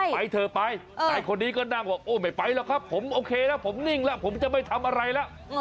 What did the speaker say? ไปเถอะไปแต่คนนี้ก็นั่งบอกโอ้ไม่ไปหรอกครับผมโอเคแล้วผมนิ่งแล้วผมจะไม่ทำอะไรแล้ว